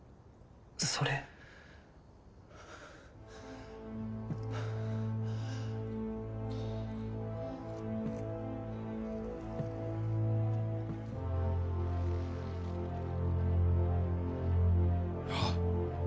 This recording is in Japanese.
それああ